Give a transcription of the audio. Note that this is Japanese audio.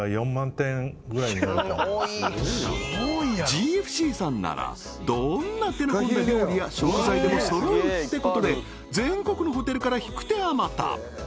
ジーエフシーさんならどんな手の込んだ料理や食材でも揃うってことで全国のホテルから引く手あまた